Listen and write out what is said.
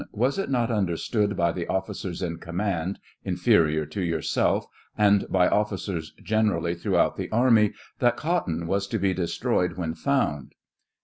Was it not understood by the officers in command, inferior to yourself, and by officers generally through out the army, that cotton was to be destroyed when fpund